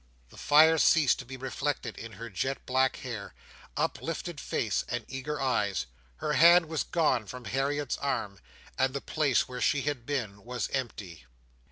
The fire ceased to be reflected in her jet black hair, uplifted face, and eager eyes; her hand was gone from Harriet's arm; and the place where she had been was empty.